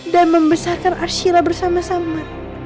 dan membesarkan arshila bersama sama